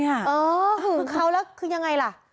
หึงเค้าแล้วคือยังไงจะบัด